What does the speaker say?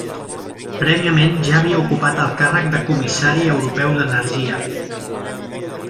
Prèviament ja havia ocupat el càrrec de Comissari Europeu d'Energia.